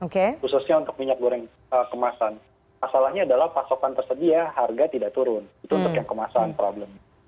khususnya untuk minyak goreng kemasan masalahnya adalah pasokan tersedia harga tidak turun itu untuk yang kemasan problem